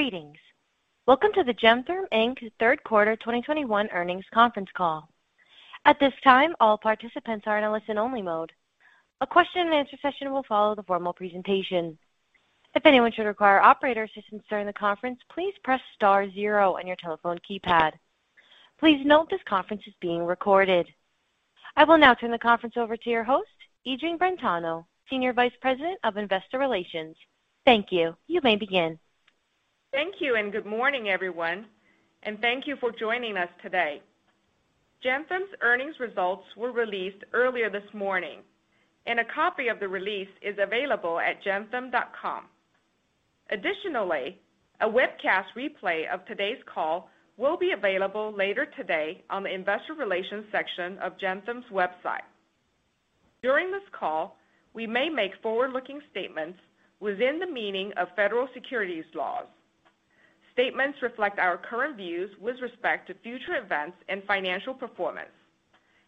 Greetings. Welcome to the Gentherm Inc. Third Quarter 2021 Earnings Conference Call. At this time, all participants are in a listen-only mode. A question-and-answer session will follow the formal presentation. If anyone should require operator assistance during the conference, please "press star zero" on your telephone keypad. Please note this conference is being recorded. I will now turn the conference over to your host, Yijing Brentano, Senior Vice President of Investor Relations. Thank you. You may begin. Thank you, and good morning, everyone, and thank you for joining us today. Gentherm's earnings results were released earlier this morning and a copy of the release is available at gentherm.com. Additionally, a webcast replay of today's call will be available later today on the investor relations section of Gentherm's website. During this call, we may make forward-looking statements within the meaning of federal securities laws. Statements reflect our current views with respect to future events and financial performance,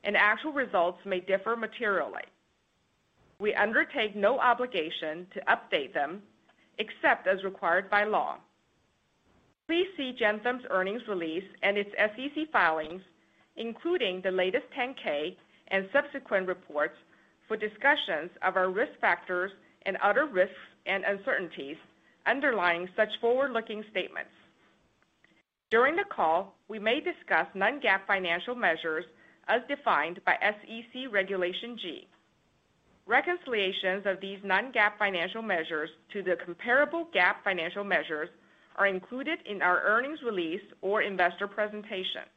and actual results may differ materially. We undertake no obligation to update them except as required by law. Please see Gentherm's earnings release and its SEC filings, including the latest 10-K and subsequent reports for discussions of our risk factors and other risks and uncertainties underlying such forward-looking statements. During the call, we may discuss non-GAAP financial measures as defined by SEC Regulation G. Reconciliations of these non-GAAP financial measures to the comparable GAAP financial measures are included in our earnings release or investor presentation.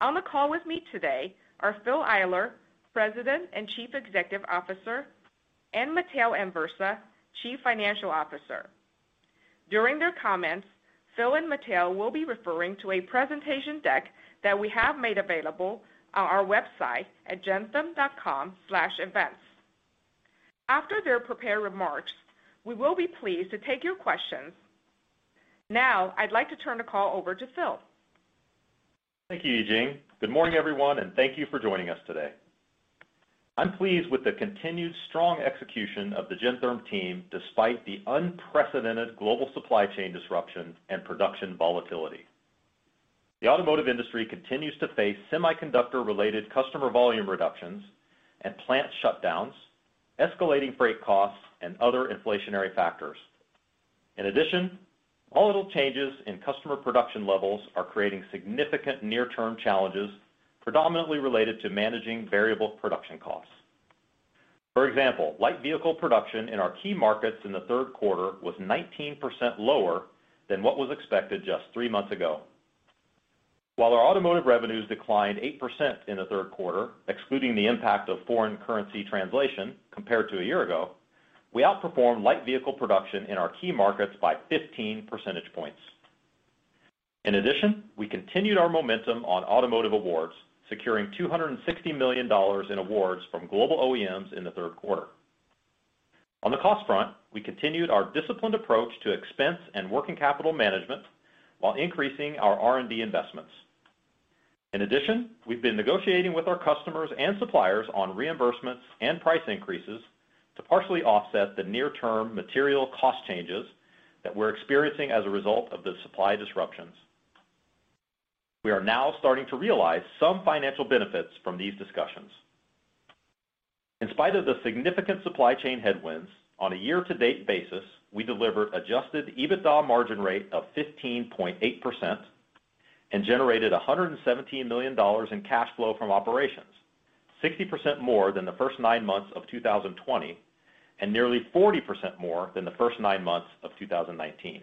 On the call with me today are Phil Eyler, President and Chief Executive Officer, and Matteo Anversa, Chief Financial Officer. During their comments, Phil and Matteo will be referring to a presentation deck that we have made available on our website at gentherm.com/events. After their prepared remarks, we will be pleased to take your questions. Now, I'd like to turn the call over to Phil. Thank you, Yijing. Good morning, everyone, and thank you for joining us today. I'm pleased with the continued strong execution of the Gentherm team despite the unprecedented global supply chain disruptions and production volatility. The automotive industry continues to face semiconductor-related customer volume reductions and plant shutdowns, escalating freight costs, and other inflationary factors. In addition, volatile changes in customer production levels are creating significant near-term challenges, predominantly related to managing variable production costs. For example, light vehicle production in our key markets in the third quarter was 19% lower than what was expected just three months ago. While our automotive revenues declined 8% in the third quarter, excluding the impact of foreign currency translation compared to a year ago, we outperformed light vehicle production in our key markets by 15 percentage points. In addition, we continued our momentum on automotive awards, securing $260 million in awards from global OEMs in the third quarter. On the cost front, we continued our disciplined approach to expense and working capital management while increasing our R&D investments. In addition, we've been negotiating with our customers and suppliers on reimbursements and price increases to partially offset the near-term material cost changes that we're experiencing as a result of the supply disruptions. We are now starting to realize some financial benefits from these discussions. In spite of the significant supply chain headwinds, on a year-to-date basis, we delivered adjusted EBITDA margin rate of 15.8% and generated $117 million in cash flow from operations, 60% more than the first nine months of 2020, and nearly 40% more than the first nine months of 2019.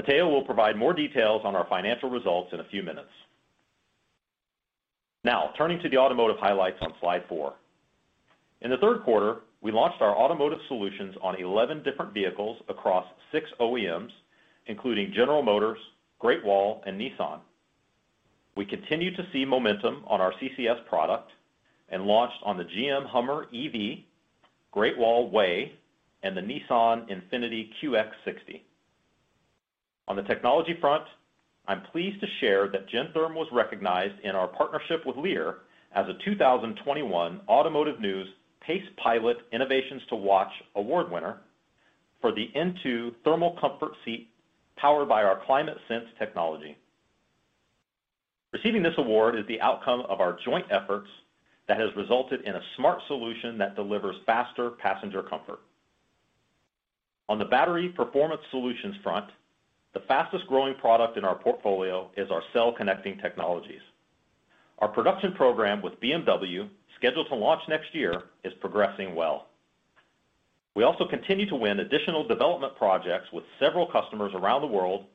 Matteo will provide more details on our financial results in a few minutes. Now, turning to the automotive highlights on slide four. In the third quarter, we launched our automotive solutions on 11 different vehicles across six OEMs, including General Motors, Great Wall, and Nissan. We continue to see momentum on our CCS product and launched on the GMC HUMMER EV, Great Wall WEY, and the Nissan INFINITI QX60. On the technology front, I'm pleased to share that Gentherm was recognized in our partnership with Lear as a 2021 Automotive News PACE Pilot Innovation to Watch Award winner for the INTU Thermal Comfort Seat powered by our ClimateSense technology. Receiving this award is the outcome of our joint efforts that has resulted in a smart solution that delivers faster passenger comfort. On the battery performance solutions front, the fastest-growing product in our portfolio is our cell connecting technologies. Our production program with BMW, scheduled to launch next year, is progressing well. We also continue to win additional development projects with several customers around the world,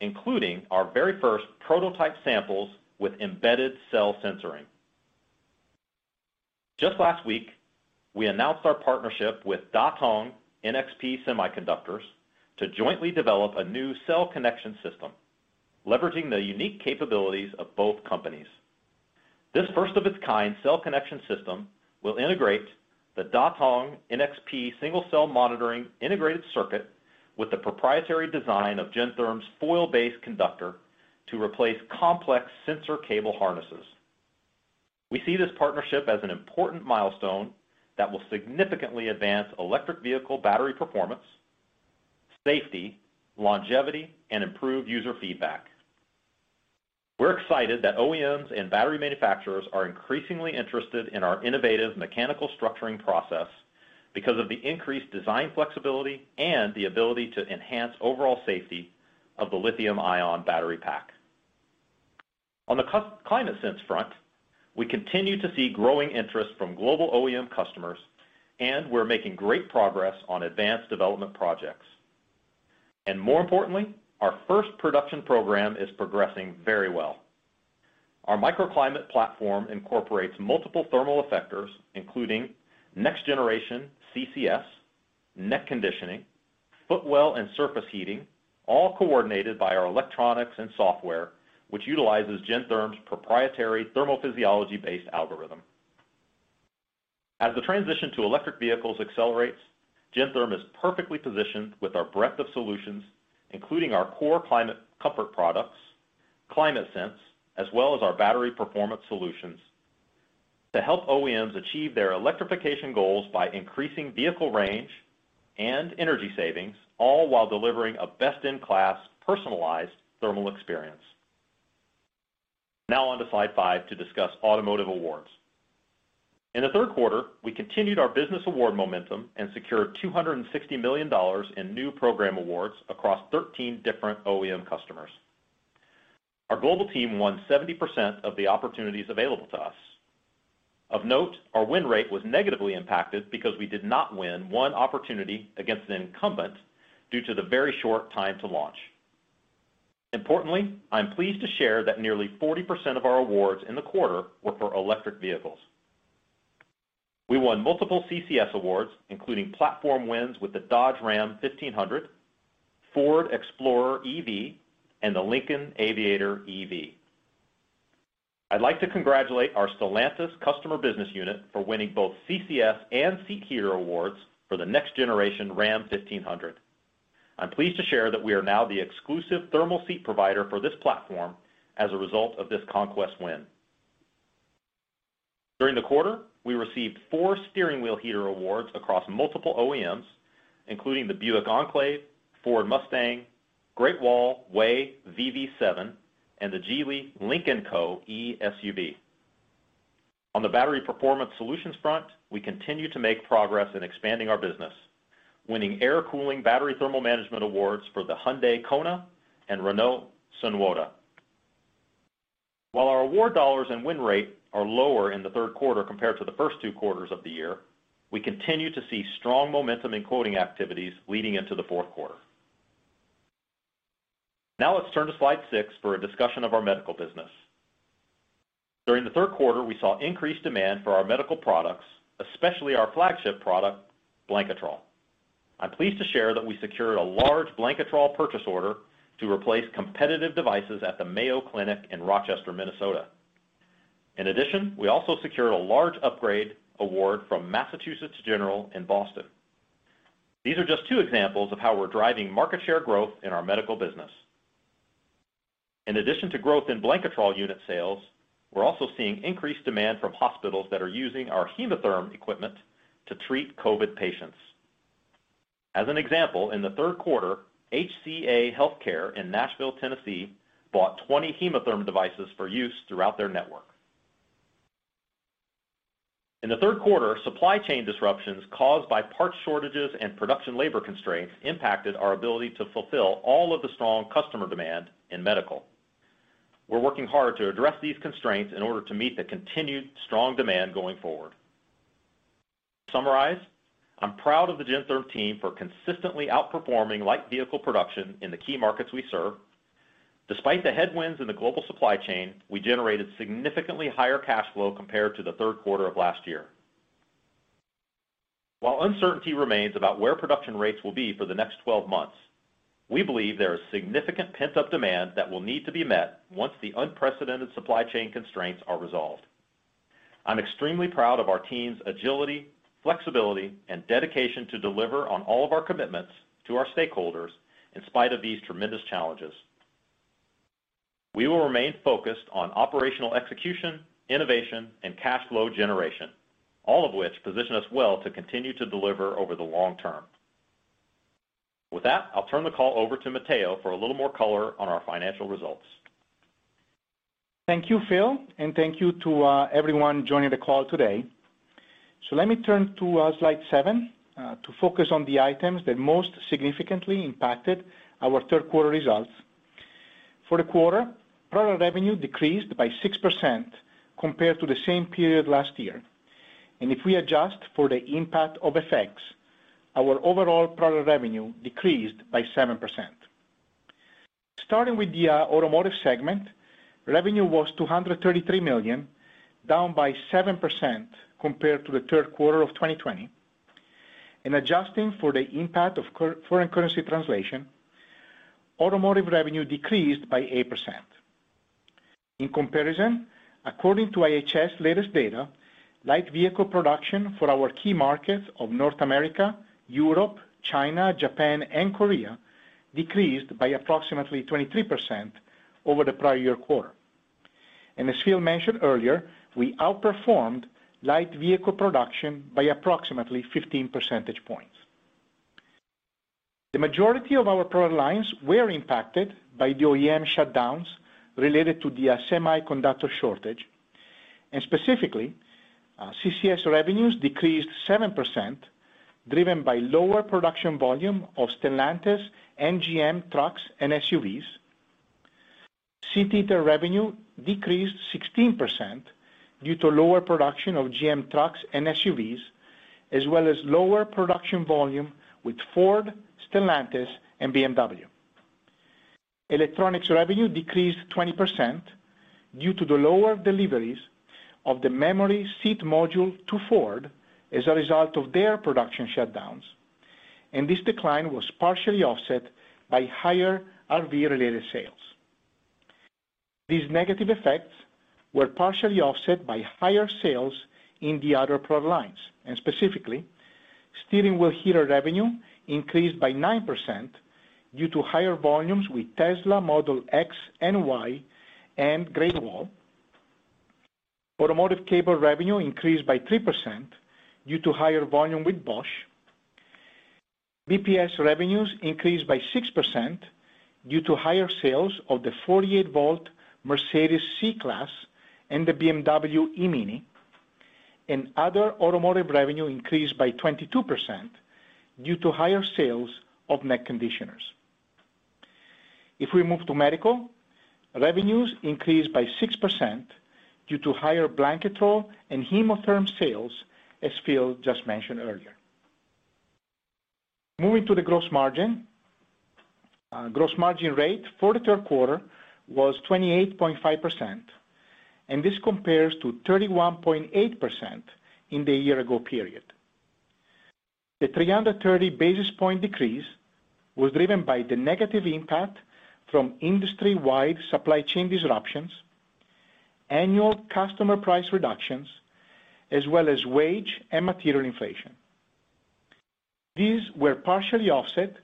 including our very first prototype samples with embedded cell sensing. Just last week, we announced our partnership with Datang NXP Semiconductors to jointly develop a new cell connection system, leveraging the unique capabilities of both companies. This first-of-its-kind cell connection system will integrate the Datang NXP single-cell monitoring integrated circuit with the proprietary design of Gentherm's foil-based conductor to replace complex sensor cable harnesses. We see this partnership as an important milestone that will significantly advance electric vehicle battery performance, safety, longevity and improve user feedback. We're excited that OEMs and battery manufacturers are increasingly interested in our innovative mechanical structuring process because of the increased design flexibility and the ability to enhance overall safety of the lithium-ion battery pack. On the ClimateSense front, we continue to see growing interest from global OEM customers, and we're making great progress on advanced development projects. More importantly, our first production program is progressing very well. Our microclimate platform incorporates multiple thermal effectors, including next generation CCS, neck conditioning, footwell and surface heating, all coordinated by our electronics and software, which utilizes Gentherm's proprietary thermophysiology-based algorithm. As the transition to electric vehicles accelerates, Gentherm is perfectly positioned with our breadth of solutions, including our core climate comfort products, ClimateSense, as well as our battery performance solutions, to help OEMs achieve their electrification goals by increasing vehicle range and energy savings, all while delivering a best-in-class personalized thermal experience. Now on to slide five to discuss automotive awards. In the third quarter, we continued our business award momentum and secured $260 million in new program awards across 13 different OEM customers. Our global team won 70% of the opportunities available to us. Of note, our win rate was negatively impacted because we did not win one opportunity against an incumbent due to the very short time to launch. Importantly, I'm pleased to share that nearly 40% of our awards in the quarter were for electric vehicles. We won multiple CCS awards, including platform wins with the Ram 1500, Ford Explorer EV, and the Lincoln Aviator EV. I'd like to congratulate our Stellantis customer business unit for winning both CCS and seat heater awards for the next generation Ram 1500. I'm pleased to share that we are now the exclusive thermal seat provider for this platform as a result of this conquest win. During the quarter, we received four steering wheel heater awards across multiple OEMs, including the Buick Enclave, Ford Mustang, Great Wall, WEY VV7, and the Geely Lynk & Co E-SUV. On the battery performance solutions front, we continue to make progress in expanding our business, winning air cooling battery thermal management awards for the Hyundai Kona, Renault, and Sunwoda. While our award dollars and win rate are lower in the third quarter compared to the first 2 quarters of the year, we continue to see strong momentum in quoting activities leading into the fourth quarter. Now let's turn to slide 6 for a discussion of our medical business. During the third quarter, we saw increased demand for our medical products, especially our flagship product, Blanketrol. I'm pleased to share that we secured a large Blanketrol purchase order to replace competitive devices at the Mayo Clinic in Rochester, Minnesota. In addition, we also secured a large upgrade award from Massachusetts General in Boston. These are just two examples of how we're driving market share growth in our medical business. In addition to growth in Blanketrol unit sales, we're also seeing increased demand from hospitals that are using our Hemotherm equipment to treat COVID patients. As an example, in the third quarter, HCA Healthcare in Nashville, Tennessee, bought 20 Hemotherm devices for use throughout their network. In the third quarter, supply chain disruptions caused by parts shortages and production labor constraints impacted our ability to fulfill all of the strong customer demand in medical. We're working hard to address these constraints in order to meet the continued strong demand going forward. To summarize, I'm proud of the Gentherm team for consistently outperforming light vehicle production in the key markets we serve. Despite the headwinds in the global supply chain, we generated significantly higher cash flow compared to the third quarter of last year. While uncertainty remains about where production rates will be for the next 12 months, we believe there is significant pent-up demand that will need to be met once the unprecedented supply chain constraints are resolved. I'm extremely proud of our team's agility, flexibility, and dedication to deliver on all of our commitments to our stakeholders in spite of these tremendous challenges. We will remain focused on operational execution, innovation, and cash flow generation, all of which position us well to continue to deliver over the long term. With that, I'll turn the call over to Matteo for a little more color on our financial results. Thank you, Phil, and thank you to everyone joining the call today. Let me turn to slide seven to focus on the items that most significantly impacted our third quarter results. For the quarter, product revenue decreased by 6% compared to the same period last year. If we adjust for the impact of FX effects, our overall product revenue decreased by 7%. Starting with the automotive segment, revenue was $233 million, down by 7% compared to the third quarter of 2020. Adjusting for the impact of foreign currency translation, automotive revenue decreased by 8%. In comparison, according to IHS latest data, light vehicle production for our key markets of North America, Europe, China, Japan, and Korea decreased by approximately 23% over the prior year quarter. As Phil mentioned earlier, we outperformed light vehicle production by approximately 15 percentage points. The majority of our product lines were impacted by the OEM shutdowns related to the semiconductor shortage. Specifically, CCS revenues decreased 7%, driven by lower production volume of Stellantis and GM trucks and SUVs. Seat heater revenue decreased 16% due to lower production of GM trucks and SUVs, as well as lower production volume with Ford, Stellantis, and BMW. Electronics revenue decreased 20% due to the lower deliveries of the memory seat module to Ford as a result of their production shutdowns. This decline was partially offset by higher RV-related sales. These negative effects were partially offset by higher sales in the other product lines, and specifically, steering wheel heater revenue increased by 9% due to higher volumes with Tesla Model X and Y and Great Wall. Automotive cable revenue increased by 3% due to higher volume with Bosch. BPS revenues increased by 6% due to higher sales of the 48-volt Mercedes C-Class and the BMW E MINI. Other automotive revenue increased by 22% due to higher sales of neck conditioners. If we move to medical, revenues increased by 6% due to higher Blanketrol and Hemotherm sales, as Phil just mentioned earlier. Moving to the gross margin rate for the third quarter was 28.5%, and this compares to 31.8% in the year ago period. The 330 basis point decrease was driven by the negative impact from industry-wide supply chain disruptions, annual customer price reductions, as well as wage and material inflation. These were partially offset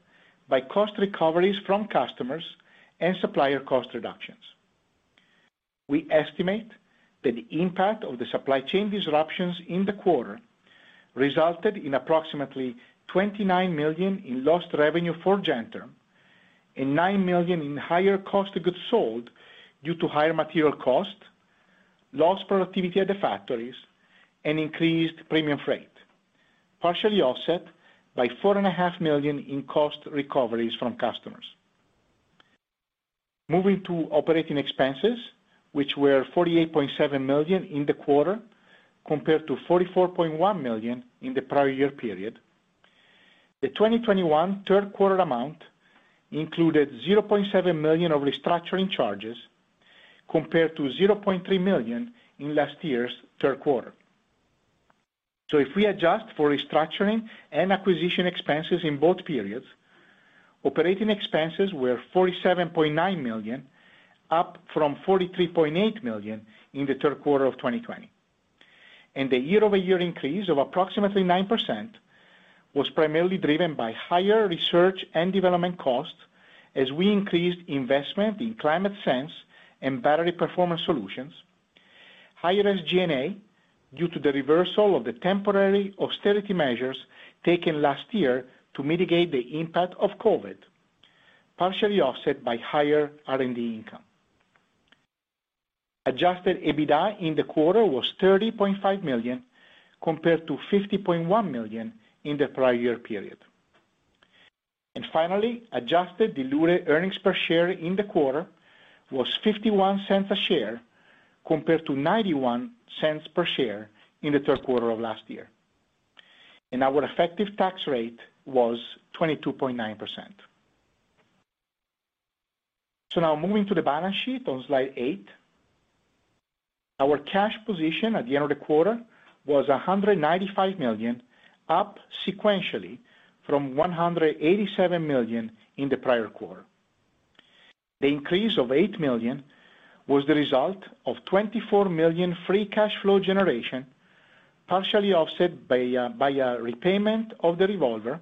by cost recoveries from customers and supplier cost reductions. We estimate that the impact of the supply chain disruptions in the quarter resulted in approximately $29 million in lost revenue for Gentherm and $9 million in higher cost of goods sold due to higher material costs, lost productivity at the factories, and increased premium freight, partially offset by $4.5 million in cost recoveries from customers. Moving to operating expenses, which were $48.7 million in the quarter, compared to $44.1 million in the prior year period. The 2021 third quarter amount included $0.7 million of restructuring charges compared to $0.3 million in last year's third quarter. If we adjust for restructuring and acquisition expenses in both periods, operating expenses were $47.9 million, up from $43.8 million in the third quarter of 2020. The year-over-year increase of approximately 9% was primarily driven by higher research and development costs as we increased investment in ClimateSense and battery performance solutions, higher SG&A due to the reversal of the temporary austerity measures taken last year to mitigate the impact of COVID, partially offset by higher R&D income. Adjusted EBITDA in the quarter was $30.5 million, compared to $50.1 million in the prior year period. Finally, adjusted diluted earnings per share in the quarter was $0.51 per share, compared to $0.91 per share in the third quarter of last year. Our effective tax rate was 22.9%. Now moving to the balance sheet on slide eight. Our cash position at the end of the quarter was $195 million, up sequentially from $187 million in the prior quarter. The increase of $8 million was the result of $24 million free cash flow generation, partially offset by a repayment of the revolver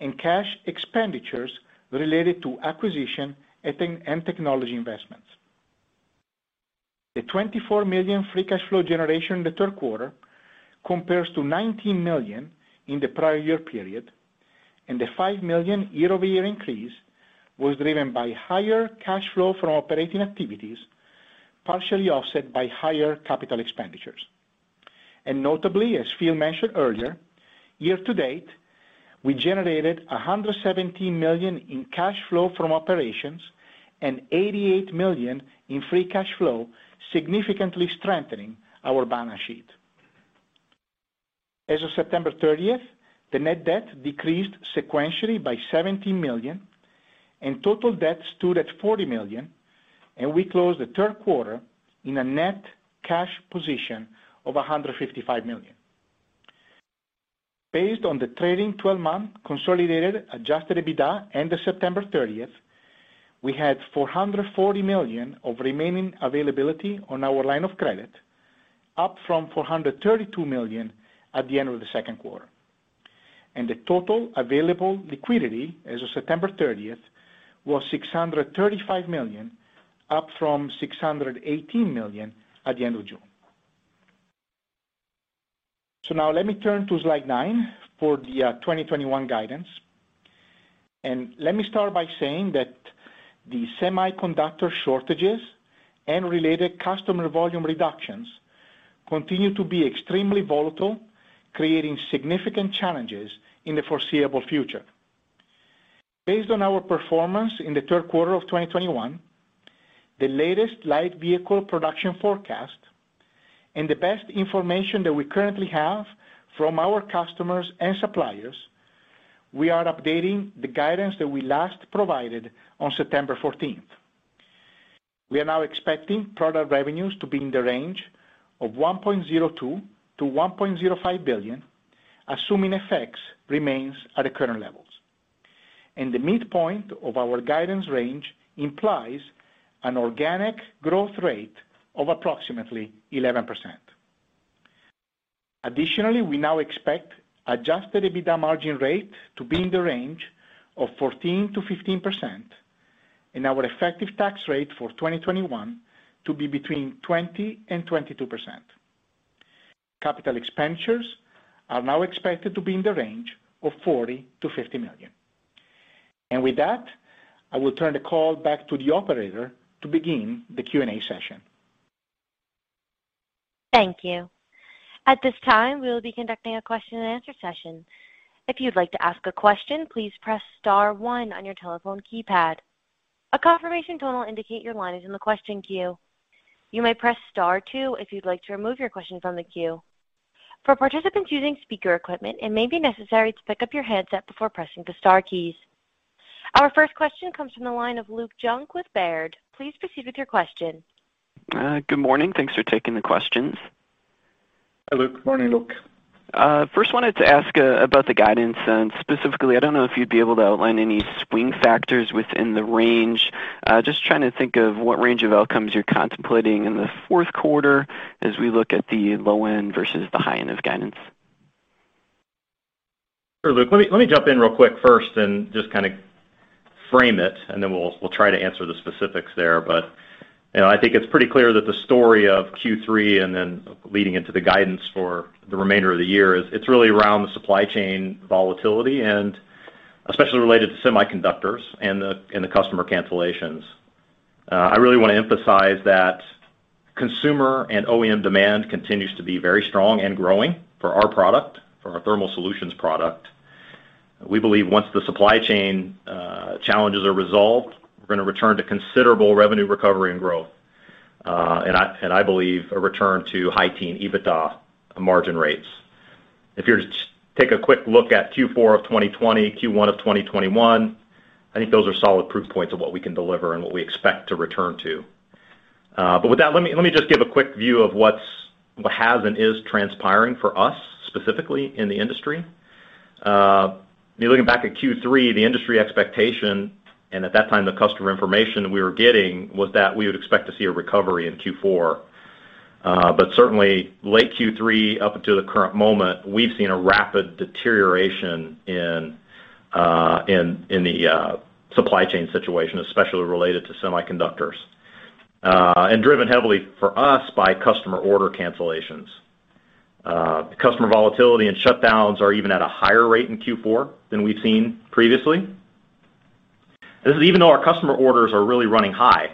and cash expenditures related to acquisition and technology investments. The $24 million free cash flow generation in the third quarter compares to $19 million in the prior year period, and the $5 million year-over-year increase was driven by higher cash flow from operating activities, partially offset by higher capital expenditures. Notably, as Phil mentioned earlier, year to date, we generated $117 million in cash flow from operations and $88 million in free cash flow, significantly strengthening our balance sheet. As of September 30th, the net debt decreased sequentially by $17 million, and total debt stood at $40 million, and we closed the third quarter in a net cash position of $155 million. Based on the trailing 12-month consolidated adjusted EBITDA and the September 30th, we had $440 million of remaining availability on our line of credit, up from $432 million at the end of the second quarter. The total available liquidity as of September 30th was $635 million, up from $618 million at the end of June. Now let me turn to slide nine for the 2021 guidance. Let me start by saying that the semiconductor shortages and related customer volume reductions continue to be extremely volatile, creating significant challenges in the foreseeable future. Based on our performance in the third quarter of 2021, the latest light vehicle production forecast, and the best information that we currently have from our customers and suppliers, we are updating the guidance that we last provided on September 14. We are now expecting product revenues to be in the range of $1.02 billion-$1.05 billion, assuming affects remain at the current levels. The midpoint of our guidance range implies an organic growth rate of approximately 11%. Additionally, we now expect adjusted EBITDA margin rate to be in the range of 14%-15% and our effective tax rate for 2021 to be between 20%-22%. Capital expenditures are now expected to be in the range of $40 million-$50 million. With that, I will turn the call back to the operator to begin the Q&A session. Thank you. At this time, we will be conducting a question and answer session. If you'd like to ask a question, please "press star one" on your telephone keypad. A confirmation tone will indicate your line is in the question queue. You may "press star two" if you'd like to remove your question from the queue. For participants using speaker equipment, it may be necessary to pick up your headset before pressing the star keys. Our first question comes from the line of Luke Junk with Baird. Please proceed with your question. Good morning. Thanks for taking the questions. Hi, Luke. Morning, Luke. First, I wanted to ask about the guidance, and specifically, I don't know if you'd be able to outline any swing factors within the range. Just trying to think of what range of outcomes you're contemplating in the fourth quarter as we look at the low end versus the high end of guidance. Sure, Luke. Let me jump in real quick first and just kind of frame it, and then we'll try to answer the specifics there. You know, I think it's pretty clear that the story of Q3 and then leading into the guidance for the remainder of the year is it's really around the supply chain volatility and especially related to semiconductors and the customer cancellations. I really wanna emphasize that consumer and OEM demand continues to be very strong and growing for our product, for our thermal solutions product. We believe once the supply chain challenges are resolved, we're gonna return to considerable revenue recovery and growth, and I believe a return to high-teen EBITDA margin rates. If you're to take a quick look at Q4 of 2020, Q1 of 2021, I think those are solid proof points of what we can deliver and what we expect to return to. With that, let me just give a quick view of what has and is transpiring for us specifically in the industry. Looking back at Q3, the industry expectation, and at that time, the customer information we were getting was that we would expect to see a recovery in Q4. Certainly late Q3 up until the current moment, we've seen a rapid deterioration in the supply chain situation, especially related to semiconductors, and driven heavily for us by customer order cancellations. Customer volatility and shutdowns are even at a higher rate in Q4 than we've seen previously. This is even though our customer orders are really running high,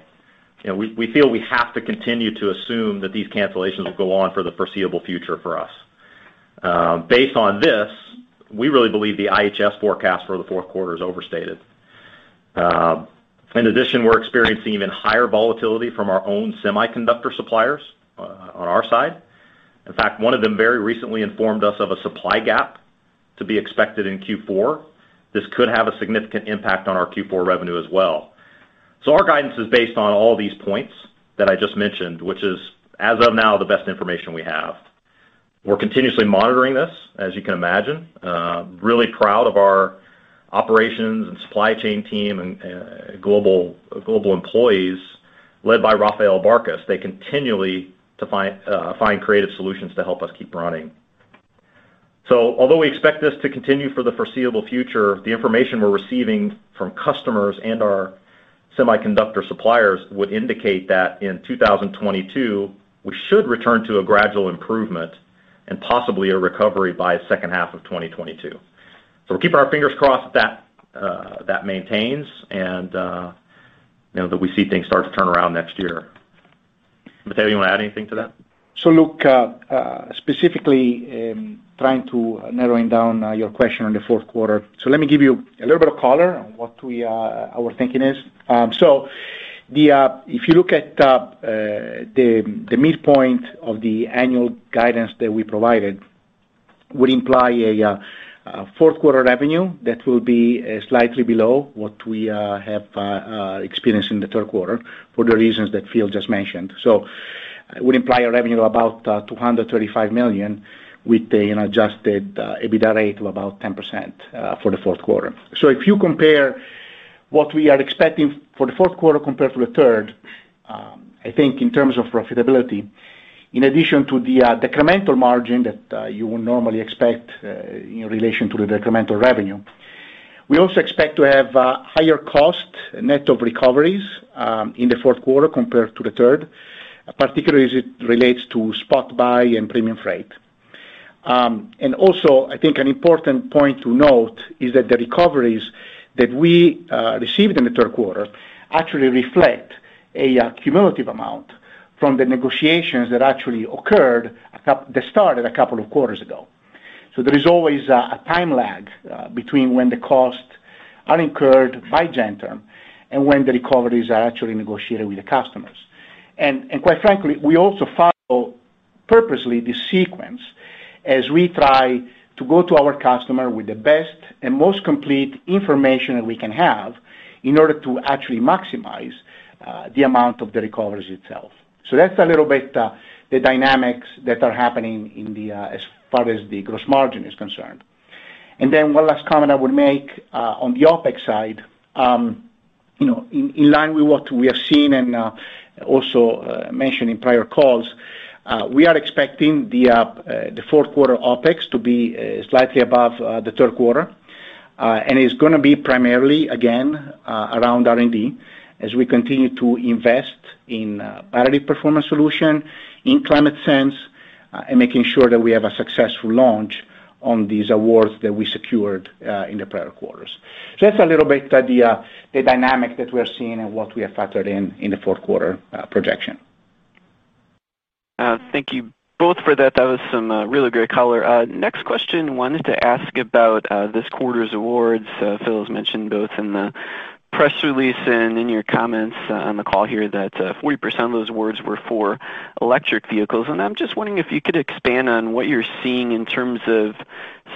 you know, we feel we have to continue to assume that these cancellations will go on for the foreseeable future for us. Based on this, we really believe the IHS forecast for the fourth quarter is overstated. In addition, we're experiencing even higher volatility from our own semiconductor suppliers on our side. In fact, one of them very recently informed us of a supply gap to be expected in Q4. This could have a significant impact on our Q4 revenue as well. Our guidance is based on all these points that I just mentioned, which is, as of now, the best information we have. We're continuously monitoring this, as you can imagine. Really proud of our operations and supply chain team and global employees led by Rafael Barkas. They continue to find creative solutions to help us keep running. Although we expect this to continue for the foreseeable future, the information we're receiving from customers and our semiconductor suppliers would indicate that in 2022, we should return to a gradual improvement and possibly a recovery by second half of 2022. We're keeping our fingers crossed that that maintains and you know, that we see things start to turn around next year. Matteo, you want to add anything to that? Luke, specifically, trying to narrow down your question on the fourth quarter. Let me give you a little bit of color on what we, our thinking is. If you look at the midpoint of the annual guidance that we provided would imply a fourth quarter revenue that will be slightly below what we have experienced in the third quarter for the reasons that Phil just mentioned. Would imply a revenue of about $235 million with an adjusted EBITDA rate of about 10% for the fourth quarter. If you compare what we are expecting for the fourth quarter compared to the third, I think in terms of profitability, in addition to the decremental margin that you would normally expect in relation to the decremental revenue, we also expect to have higher cost net of recoveries in the fourth quarter compared to the third, particularly as it relates to spot buy and premium freight. I think an important point to note is that the recoveries that we received in the third quarter actually reflect a cumulative amount from the negotiations that actually occurred that started a couple of quarters ago. There is always a time lag between when the costs are incurred by Gentherm and when the recoveries are actually negotiated with the customers. Quite frankly, we also follow purposely the sequence as we try to go to our customer with the best and most complete information that we can have in order to actually maximize the amount of the recovery itself. That's a little bit the dynamics that are happening in the as far as the gross margin is concerned. Then one last comment I would make on the OpEx side, you know, in line with what we have seen and also mentioned in prior calls, we are expecting the fourth quarter OpEx to be slightly above the third quarter. It's gonna be primarily, again, around R&D as we continue to invest in battery performance solution, in ClimateSense, and making sure that we have a successful launch on these awards that we secured in the prior quarters. That's a little bit the dynamic that we're seeing and what we have factored in in the fourth quarter projection. Thank you both for that. That was some really great color. Next question, wanted to ask about this quarter's awards. Phil has mentioned both in the press release and in your comments on the call here that 40% of those awards were for electric vehicles. I'm just wondering if you could expand on what you're seeing in terms of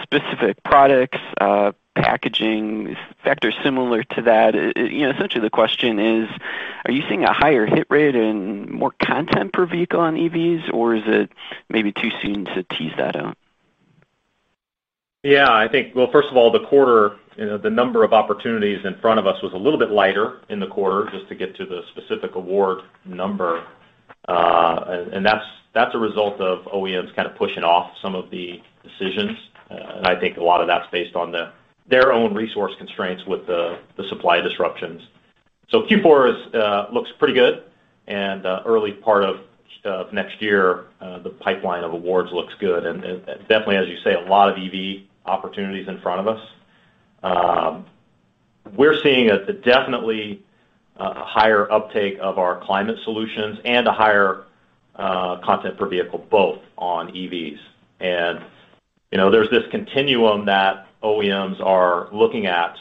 specific products, packaging factors similar to that. You know, essentially the question is, are you seeing a higher hit rate and more content per vehicle on EVs, or is it maybe too soon to tease that out? Yeah, I think, well, first of all, the quarter, you know, the number of opportunities in front of us was a little bit lighter in the quarter just to get to the specific award number. That's a result of OEMs kind of pushing off some of the decisions, and I think a lot of that's based on their own resource constraints with the supply disruptions. Q4 looks pretty good and early part of next year the pipeline of awards looks good. Definitely, as you say, a lot of EV opportunities in front of us. We're seeing definitely a higher uptake of our climate solutions and a higher content per vehicle both on EVs. You know, there's this continuum that OEMs are looking at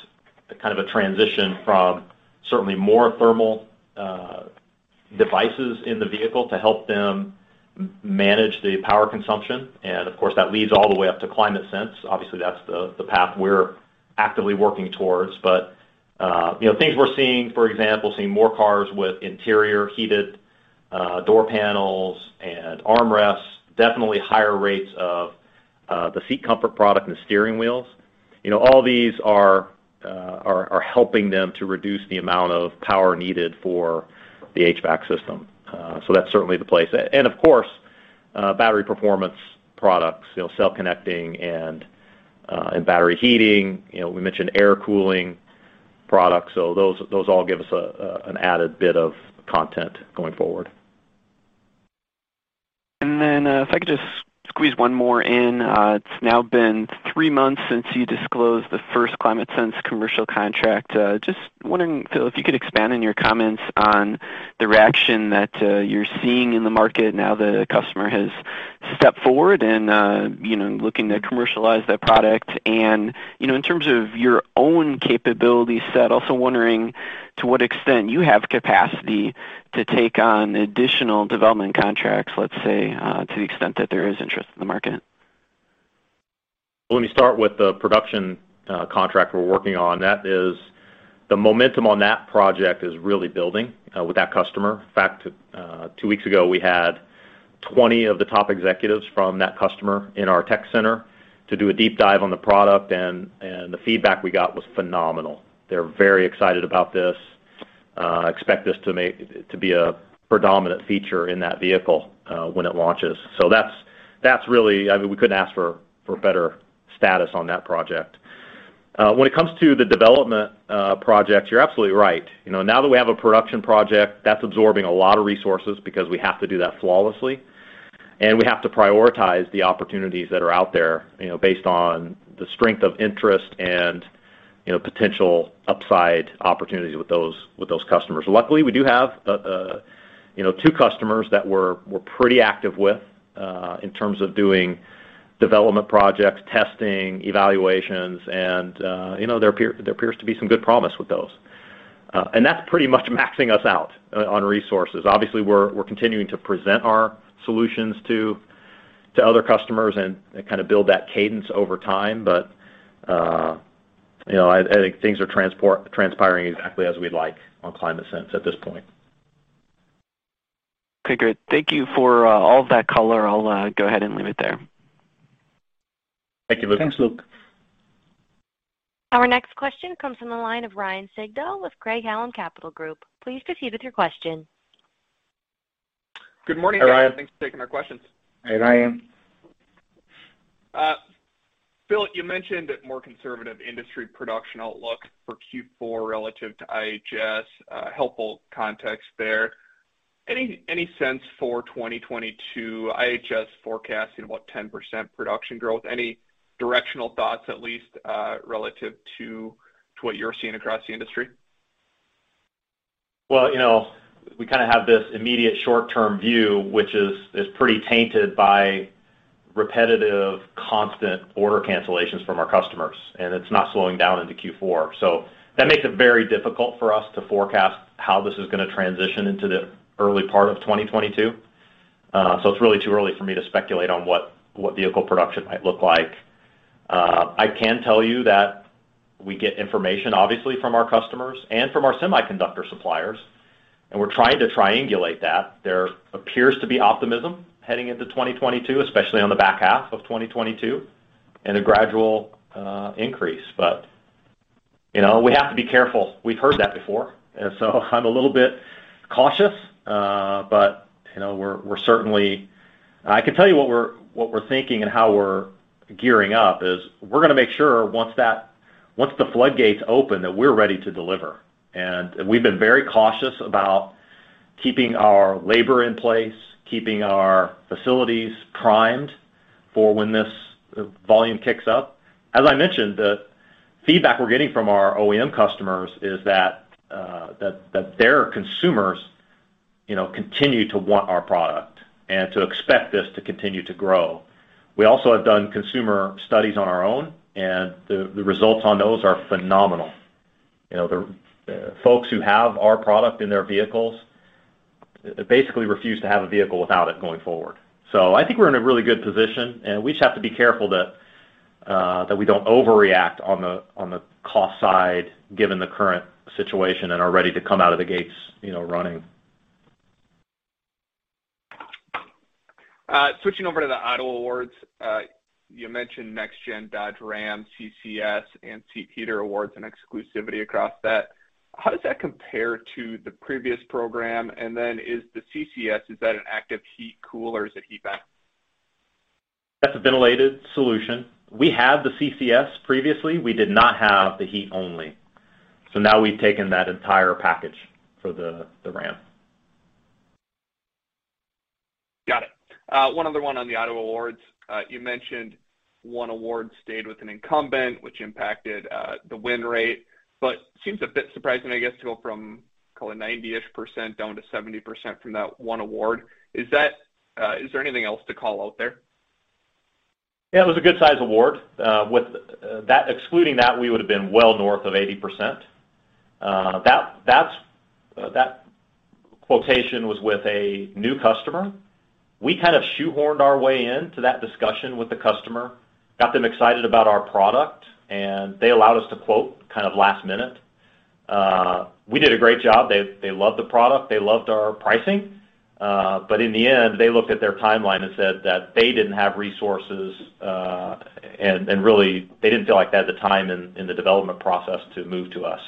kind of a transition from certainly more thermal devices in the vehicle to help them manage the power consumption. Of course, that leads all the way up to ClimateSense. Obviously, that's the path we're actively working towards. You know, things we're seeing, for example, seeing more cars with interior heated door panels and armrests, definitely higher rates of the seat comfort product and the steering wheels. You know, all these are helping them to reduce the amount of power needed for the HVAC system. So that's certainly the place. And of course, battery performance products, you know, cell connecting and battery heating. You know, we mentioned air cooling products. So those all give us an added bit of content going forward. If I could just squeeze one more in. It's now been three months since you disclosed the first ClimateSense commercial contract. Just wondering, Phil, if you could expand on your comments on the reaction that you're seeing in the market now that the customer has stepped forward and, you know, looking to commercialize that product. You know, in terms of your own capability set, also wondering to what extent you have capacity to take on additional development contracts, let's say, to the extent that there is interest in the market. Let me start with the production contract we're working on. That is, the momentum on that project is really building with that customer. In fact, two weeks ago, we had 20 of the top executives from that customer in our tech center to do a deep dive on the product, and the feedback we got was phenomenal. They're very excited about this. Expect this to be a predominant feature in that vehicle when it launches. That's really. I mean, we couldn't ask for better status on that project. When it comes to the development projects, you're absolutely right. You know, now that we have a production project, that's absorbing a lot of resources because we have to do that flawlessly, and we have to prioritize the opportunities that are out there, you know, based on the strength of interest and, you know, potential upside opportunities with those customers. Luckily, we do have, you know, two customers that we're pretty active with in terms of doing development projects, testing, evaluations, and, you know, there appears to be some good promise with those. That's pretty much maxing us out on resources. Obviously, we're continuing to present our solutions to other customers and kind of build that cadence over time. You know, I think things are transpiring exactly as we'd like on ClimateSense at this point. Okay, great. Thank you for all of that color. I'll go ahead and leave it there. Thank you, Luke. Thanks Luke. Our next question comes from the line of Ryan Sigdahl with Craig-Hallum Capital Group. Please proceed with your question. Good morning, guys. Hi, Ryan. Thanks for taking our questions. Hey, Ryan. Phil, you mentioned a more conservative industry production outlook for Q4 relative to IHS, helpful context there. Any sense for 2022 IHS forecasting about 10% production growth? Any directional thoughts at least, relative to what you're seeing across the industry? Well, you know, we kind of have this immediate short-term view, which is pretty tainted by repetitive constant order cancellations from our customers, and it's not slowing down into Q4. That makes it very difficult for us to forecast how this is gonna transition into the early part of 2022. It's really too early for me to speculate on what vehicle production might look like. I can tell you that we get information obviously from our customers and from our semiconductor suppliers, and we're trying to triangulate that. There appears to be optimism heading into 2022, especially on the back half of 2022, and a gradual increase. You know, we have to be careful. We've heard that before. I'm a little bit cautious. You know, we're certainly. I can tell you what we're thinking and how we're gearing up is we're gonna make sure once the floodgates open, that we're ready to deliver. We've been very cautious about keeping our labor in place, keeping our facilities primed for when this volume kicks up. As I mentioned, the feedback we're getting from our OEM customers is that their consumers, you know, continue to want our product and to expect this to continue to grow. We also have done consumer studies on our own, and the results on those are phenomenal. You know, the folks who have our product in their vehicles basically refuse to have a vehicle without it going forward. I think we're in a really good position, and we just have to be careful that we don't overreact on the cost side given the current situation and are ready to come out of the gates, you know, running. Switching over to the Auto Awards, you mentioned next-gen Ram, CCS, and seat heater awards and exclusivity across that. How does that compare to the previous program? Then, is the CCS an active heat cool or is it heat vent? That's a ventilated solution. We had the CCS previously. We did not have the heat only. Now we've taken that entire package for the Ram. Got it. One other one on the Auto Awards. You mentioned one award stayed with an incumbent, which impacted the win rate. Seems a bit surprising, I guess, to go from call it 90-ish% down to 70% from that one award. Is there anything else to call out there? Yeah. It was a good size award. Excluding that, we would have been well north of 80%. That quotation was with a new customer. We kind of shoehorned our way into that discussion with the customer, got them excited about our product, and they allowed us to quote kind of last minute. We did a great job. They loved the product. They loved our pricing. In the end, they looked at their timeline and said that they didn't have resources, and really they didn't feel like they had the time in the development process to move to us.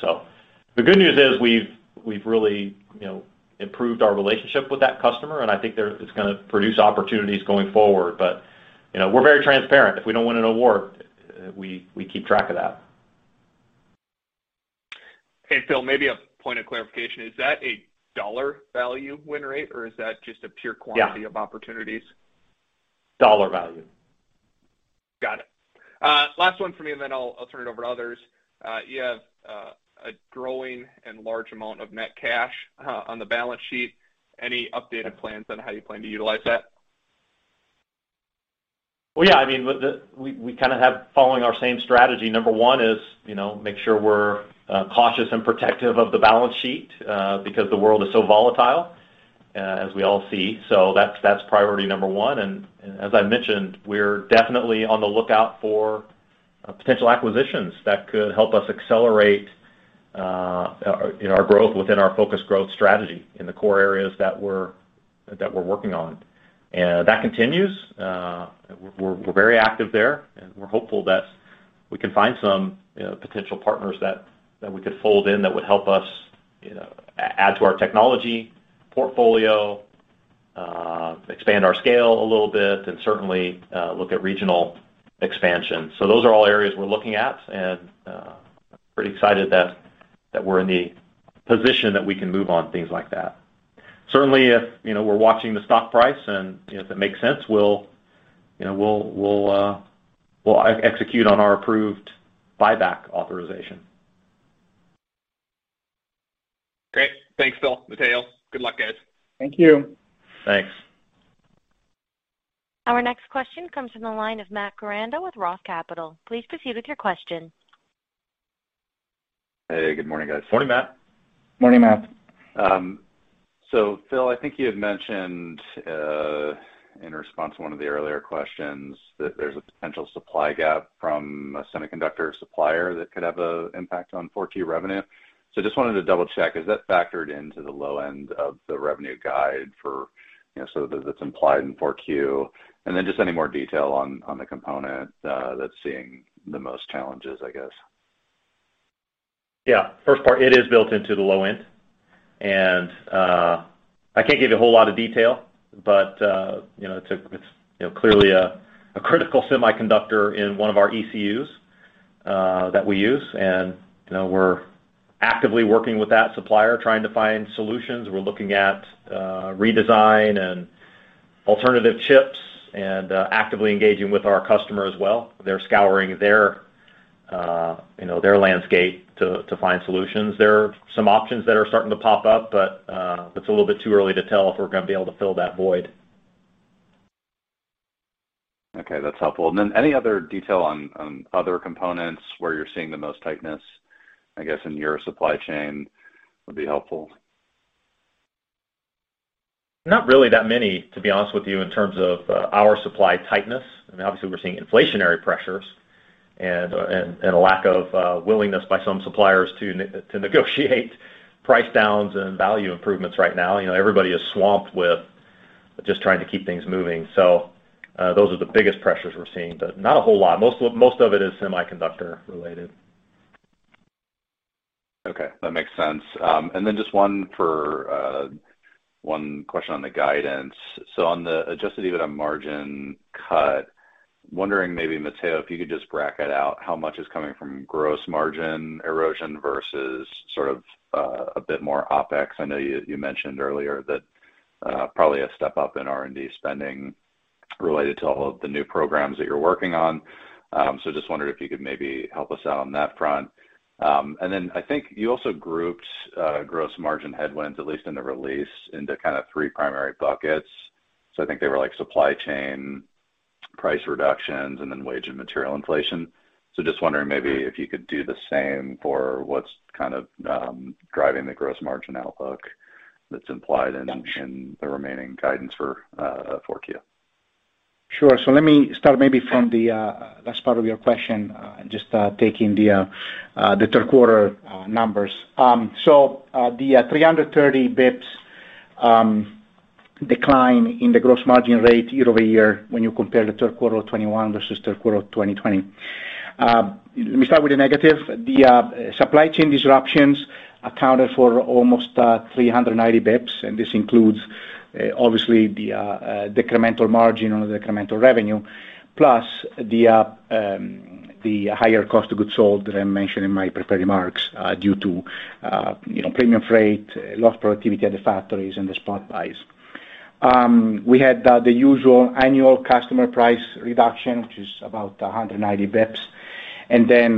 The good news is we've really, you know, improved our relationship with that customer, and I think it's gonna produce opportunities going forward. You know, we're very transparent. If we don't win an award, we keep track of that. Hey, Phil, maybe a point of clarification. Is that a dollar value win rate or is that just a pure quantity? Yeah of opportunities? Dollar value. Got it. Last one for me and then I'll turn it over to others. You have a growing and large amount of net cash on the balance sheet. Any updated plans on how you plan to utilize that? Well, yeah, I mean, we kind of have been following our same strategy. Number one is, you know, make sure we're cautious and protective of the balance sheet, because the world is so volatile, as we all see. That's priority number one. As I mentioned, we're definitely on the lookout for potential acquisitions that could help us accelerate, you know, our growth within our focused growth strategy in the core areas that we're working on. That continues. We're very active there, and we're hopeful that we can find some, you know, potential partners that we could fold in that would help us, you know, add to our technology portfolio, expand our scale a little bit, and certainly look at regional expansion. Those are all areas we're looking at, and pretty excited that we're in the position that we can move on things like that. Certainly if, you know, we're watching the stock price and, you know, if it makes sense, we'll, you know, we'll execute on our approved buyback authorization. Great. Thanks, Phil, Matteo. Good luck, guys. Thank you. Thanks. Our next question comes from the line of Matt Koranda with ROTH Capital. Please proceed with your question. Hey, good morning, guys. Morning, Matt. Morning, Matt. Phil, I think you had mentioned in response to one of the earlier questions that there's a potential supply gap from a semiconductor supplier that could have an impact on four-Q revenue. Just wanted to double-check, is that factored into the low end of the revenue guide for, you know, so that that's implied in four-Q? Just any more detail on the component that's seeing the most challenges, I guess. Yeah. First part, it is built into the low end. I can't give you a whole lot of detail, but you know, it's clearly a critical semiconductor in one of our ECUs that we use. You know, we're actively working with that supplier trying to find solutions. We're looking at redesign and alternative chips and actively engaging with our customer as well. They're scouring their you know, their landscape to find solutions. There are some options that are starting to pop up, but it's a little bit too early to tell if we're gonna be able to fill that void. Okay. That's helpful. Any other detail on other components where you're seeing the most tightness, I guess, in your supply chain would be helpful. Not really that many, to be honest with you, in terms of our supply tightness. I mean, obviously, we're seeing inflationary pressures and a lack of willingness by some suppliers to negotiate price downs and value improvements right now. You know, everybody is swamped with just trying to keep things moving. Those are the biggest pressures we're seeing, but not a whole lot. Most of it is semiconductor related. Okay. That makes sense. Just one more question on the guidance. On the adjusted EBITDA margin cut, wondering maybe, Matteo, if you could just bracket out how much is coming from gross margin erosion versus sort of, a bit more OpEx. I know you mentioned earlier that probably a step up in R&D spending related to all of the new programs that you are working on. Just wondered if you could maybe help us out on that front. I think you also grouped gross margin headwinds, at least in the release, into kind of three primary buckets. I think they were like supply chain price reductions and then wage and material inflation. Just wondering maybe if you could do the same for what's kind of driving the gross margin outlook that's implied in the remaining guidance for Q4. Sure. Let me start maybe from the last part of your question, and just taking the third quarter numbers. The 330 basis points decline in the gross margin rate year-over-year when you compare the third quarter of 2021 versus third quarter of 2020. Let me start with the negative. The supply chain disruptions accounted for almost 390 basis points, and this includes obviously the decremental margin on the incremental revenue, plus the higher cost of goods sold that I mentioned in my prepared remarks due to you know, premium freight, lost productivity at the factories and the spot buys. We had the usual annual customer price reduction, which is about 190 BPS, and then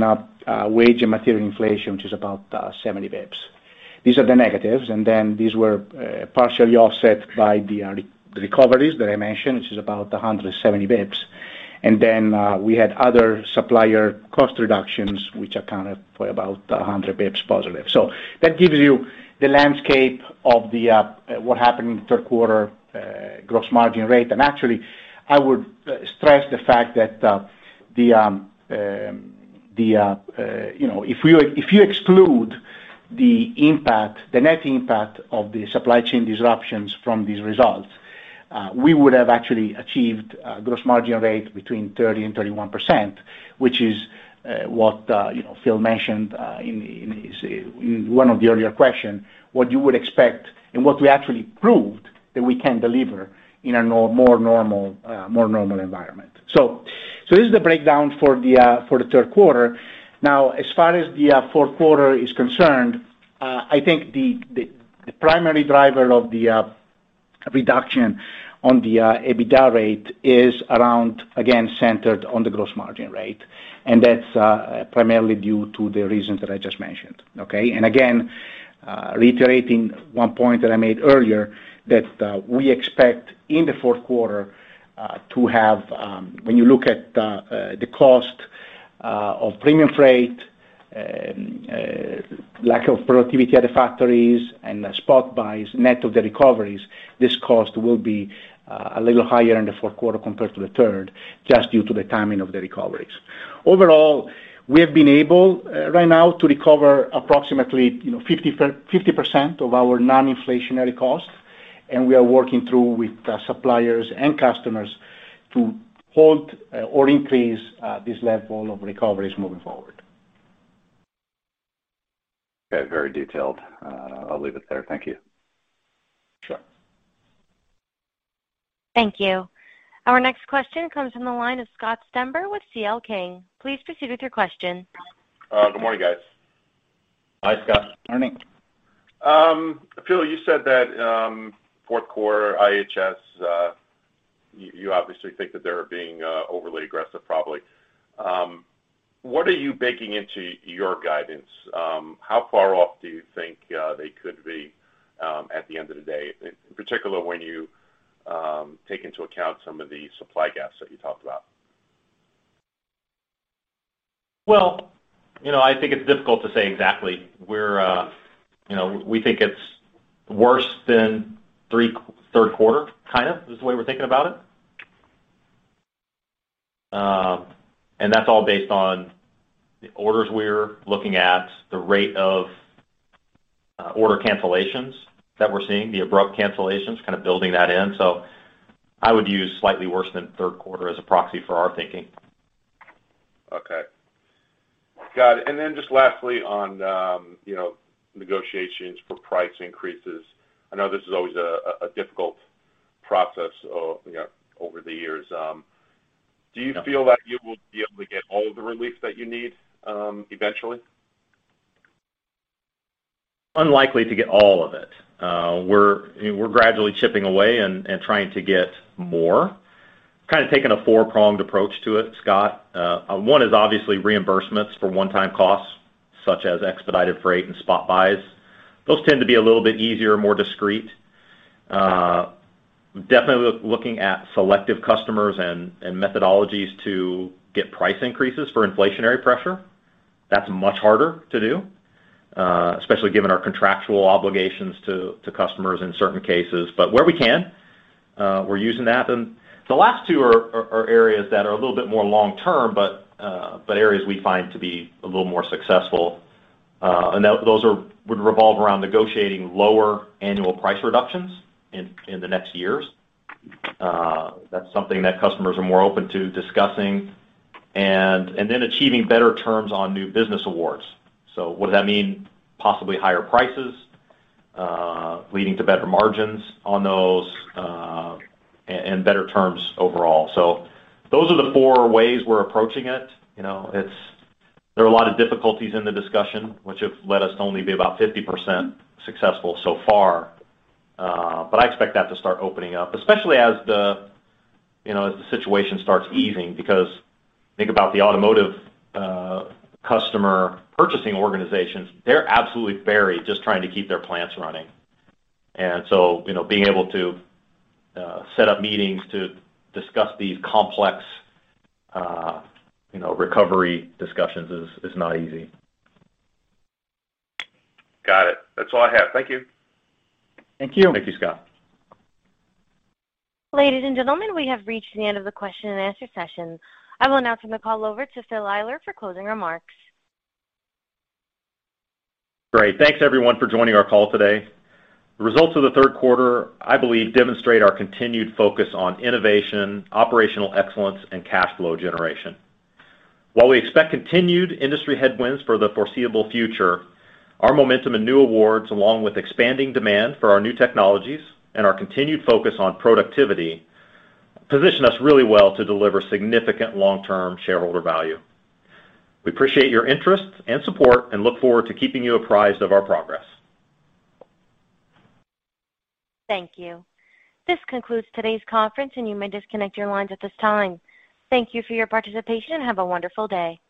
wage and material inflation, which is about 70 BPS. These are the negatives, and then these were partially offset by the recoveries that I mentioned, which is about 170 BPS. We had other supplier cost reductions, which accounted for about 100 BPS positive. That gives you the landscape of what happened in the third quarter gross margin rate. Actually, I would stress the fact that, you know, if you exclude the impact, the net impact of the supply chain disruptions from these results, we would have actually achieved a gross margin rate between 30%-31%, which is, you know, what Phil mentioned in his, in one of the earlier question, what you would expect and what we actually proved that we can deliver in a more normal environment. This is the breakdown for the third quarter. Now, as far as the fourth quarter is concerned, I think the primary driver of the reduction on the EBITDA rate is around, again, centered on the gross margin rate, and that's primarily due to the reasons that I just mentioned. Okay. Again, reiterating one point that I made earlier that we expect in the fourth quarter to have, when you look at the cost of premium freight, lack of productivity at the factories and the spot buys net of the recoveries, this cost will be a little higher in the fourth quarter compared to the third, just due to the timing of the recoveries. Overall, we have been able, right now to recover approximately, you know, 50% of our non-inflationary costs, and we are working through with the suppliers and customers to hold, or increase, this level of recoveries moving forward. Okay. Very detailed. I'll leave it there. Thank you. Sure. Thank you. Our next question comes from the line of Scott Stember with CL King. Please proceed with your question. Good morning, guys. Hi, Scott. Morning. Phil, you said that fourth quarter IHS, you obviously think that they're being overly aggressive probably. What are you baking into your guidance? How far off do you think they could be, at the end of the day, in particular when you take into account some of the supply gaps that you talked about? Well, you know, I think it's difficult to say exactly. We're, you know, we think it's worse than third quarter, kind of, is the way we're thinking about it. And that's all based on the orders we're looking at, the rate of order cancellations that we're seeing, the abrupt cancellations, kind of building that in. I would use slightly worse than third quarter as a proxy for our thinking. Okay. Got it. Just lastly on, you know, negotiations for price increases. I know this is always a difficult process, you know, over the years. Do you feel like you will be able to get all the relief that you need, eventually? Unlikely to get all of it. We're gradually chipping away and trying to get more. Kind of taking a four-pronged approach to it, Scott. One is obviously reimbursements for one-time costs, such as expedited freight and spot buys. Those tend to be a little bit easier, more discreet. Definitely looking at selective customers and methodologies to get price increases for inflationary pressure. That's much harder to do, especially given our contractual obligations to customers in certain cases. Where we can, we're using that. The last two are areas that are a little bit more long-term, but areas we find to be a little more successful. Those would revolve around negotiating lower annual price reductions in the next years. That's something that customers are more open to discussing. Then achieving better terms on new business awards. Would that mean possibly higher prices, leading to better margins on those, and better terms overall? Those are the four ways we're approaching it. You know, there are a lot of difficulties in the discussion, which have led us to only be about 50% successful so far, but I expect that to start opening up. Especially as the situation starts easing. Because think about the automotive customer purchasing organizations, they're absolutely buried just trying to keep their plants running. You know, being able to set up meetings to discuss these complex recovery discussions is not easy. Got it. That's all I have. Thank you. Thank you. Thank you Scott. Ladies and gentlemen, we have reached the end of the question-and-answer session. I will now turn the call over to Phil Eyler for closing remarks. Great. Thanks everyone for joining our call today. The results of the third quarter, I believe, demonstrate our continued focus on innovation, operational excellence, and cash flow generation. While we expect continued industry headwinds for the foreseeable future, our momentum and new awards, along with expanding demand for our new technologies and our continued focus on productivity, position us really well to deliver significant long-term shareholder value. We appreciate your interest and support and look forward to keeping you apprised of our progress. Thank you. This concludes today's conference, and you may disconnect your lines at this time. Thank you for your participation, and have a wonderful day.